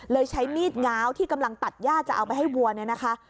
ใช้มีดง้าวที่กำลังตัดย่าจะเอาไปให้วัวเนี่ยนะคะ